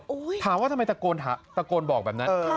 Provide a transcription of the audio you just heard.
โอ้ยถามว่าทำไมตะโกนหาตะโกนบอกแบบนั้นเออ